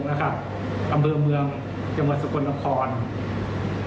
อำเภอเมืองจังหวัดสกลนคร